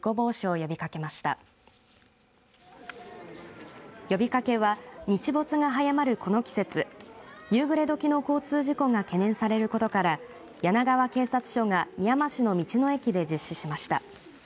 呼びかけは日没が早まるこの季節夕暮れ時の交通事故が懸念されることから柳川警察署が、みやま市の道の駅で実施しました。